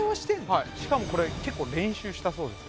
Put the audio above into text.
はいしかも結構練習したそうです